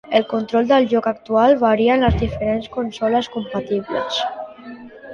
El control del joc actual varia en les diferents consoles compatibles.